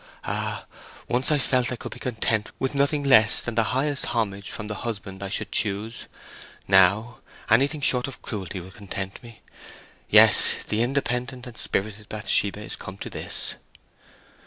Ah! once I felt I could be content with nothing less than the highest homage from the husband I should choose. Now, anything short of cruelty will content me. Yes! the independent and spirited Bathsheba is come to this!"